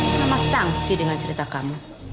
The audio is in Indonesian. kama sangsi dengan cerita kamu